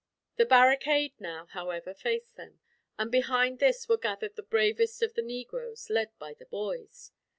The barricade now, however, faced them; and behind this were gathered the bravest of the negroes, led by the boys.